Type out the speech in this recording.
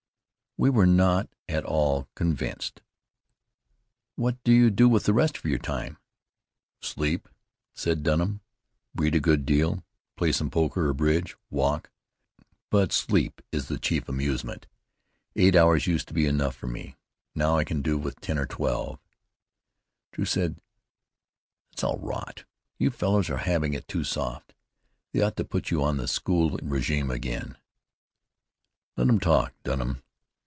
We were not at all convinced. "What do you do with the rest of your time?" "Sleep," said Dunham. "Read a good deal. Play some poker or bridge. Walk. But sleep is the chief amusement. Eight hours used to be enough for me. Now I can do with ten or twelve." Drew said: "That's all rot. You fellows are having it too soft. They ought to put you on the school régime again." "Let 'em talk, Dunham.